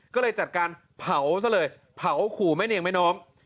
ก็เลยจัดการเผาซะเลยเผาขู่แม่เนียงแม่น้อง